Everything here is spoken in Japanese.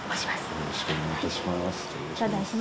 よろしくお願いします。